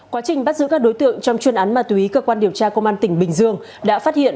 quá trình bắt giữ các đối tượng trong chuyên án ma túy cơ quan điều tra công an tỉnh bình dương đã phát hiện